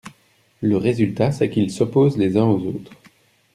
Le résultat, c’est qu’ils s’opposent les uns aux autres.